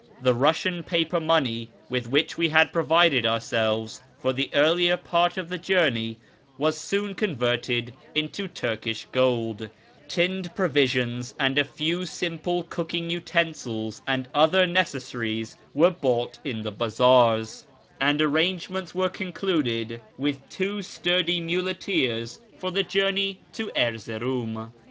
The Eussian paper money with which we had provided ourselves for the earlier part of the journey was soon converted into Turkish gold ; tinned provisions and a few simple cooking utensils and other necessaries were bought in the bazaars; and arrangements were concluded with two sturdy FROM ENGLAND TO THE PERSIAN FRONTIER 21 muleteers for the journey to Erzeroum.